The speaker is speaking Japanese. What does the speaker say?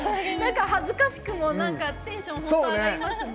恥ずかしくもテンション、上がりますね。